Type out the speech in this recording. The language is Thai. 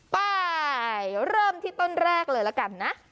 ไปเริ่มที่ต้นแรกเลยละกันนะ